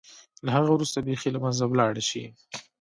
له هغه وروسته بېخي له منځه ولاړه شي.